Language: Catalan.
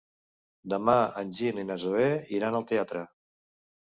Demà en Gil i na Zoè iran al teatre.